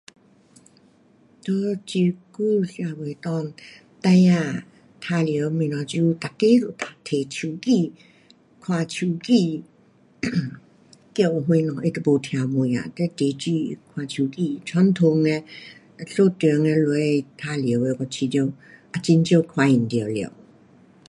在这久社会内，孩儿啊玩耍的东西，这久每个都有提手机，看手机 叫什么他都没听啊，非常注意看手机。传统的所传的下我觉得也很少看见到了。